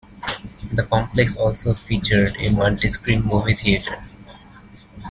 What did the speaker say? The complex also featured a multi-screen movie theater.